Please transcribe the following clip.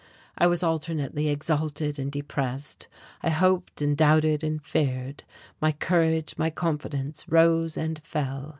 I was alternately exalted and depressed; I hoped and doubted and feared; my courage, my confidence rose and fell.